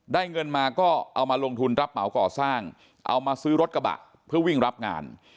เงินมาก็เอามาลงทุนรับเหมาก่อสร้างเอามาซื้อรถกระบะเพื่อวิ่งรับงาน